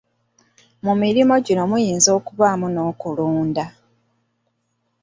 Mu mirimu gino muyinza okubaamu n’okulunda.